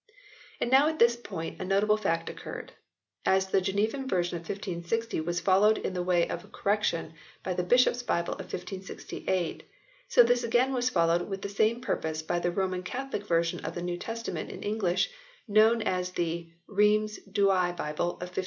And now at this point a notable fact occurred. As the Genevan version of 1560 was followed in the way of correction by the Bishops Bible of 1568, so this again was followed with the same purpose by the Roman Catholic version of the New Testament in English, known as the Rlieims Douai Bible of 1582.